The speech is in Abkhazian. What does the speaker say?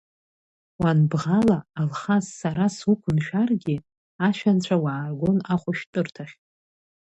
Уанбӷала, Алхас, сара суқәымшәаргьы, ашәанцәа уааргон ахәышәтәырҭахь.